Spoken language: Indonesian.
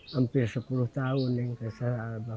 hampir sepuluh tahun yang kesehatan abah